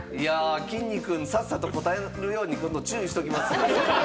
きんに君、さっさと答えるように今度、注意しておきます。